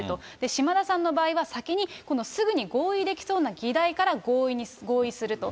島田さんの場合は先にこのすぐに合意できそうな議題から合意すると。